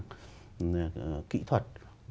cái kỹ thuật